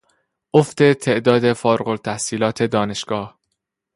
افت تعداد فارغالتحصیلان دانشگاه